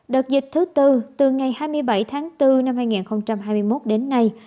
đợt dịch thứ tư từ ngày hai mươi bảy tháng bốn năm hai nghìn hai mươi một đến nay